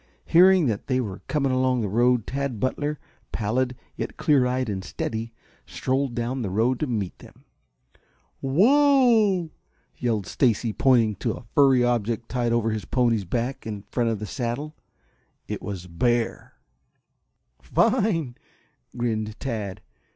Hearing that they were coming along the road Tad Butler, pallid yet clear eyed and steady, strolled down the road to meet them. "Wow!" yelled Stacy, pointing to a furry object tied over his pony's back in front of the saddle. It was bear. "Fine!" grinned Tad.